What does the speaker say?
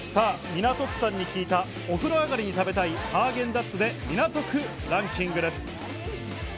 港区さんに聞いた、お風呂上りに食べたいハーゲンダッツで港区ランキングです。